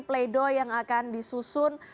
play doh yang akan disusun